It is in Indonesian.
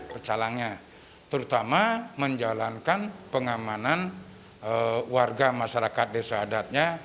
pecalangnya terutama menjalankan pengamanan warga masyarakat desa adatnya